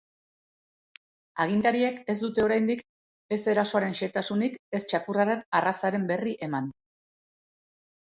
Agintariek ez dute oraindik ez erasoaren xehetasunik ez txakurraren arrazaren berri eman.